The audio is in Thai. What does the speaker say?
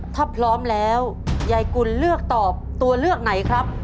ถ้าพร้อมแล้วยายกุลเลือกตอบตัวเลือกไหนครับ